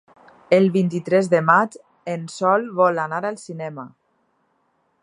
El vint-i-tres de maig en Sol vol anar al cinema.